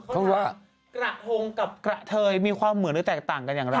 เขาว่ากระพงกับกระเทยมีความเหมือนหรือแตกต่างกันอย่างไร